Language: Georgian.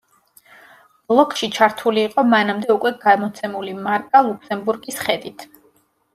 ბლოკში ჩართული იყო მანამდე უკვე გამოცემული მარკა ლუქსემბურგის ხედით.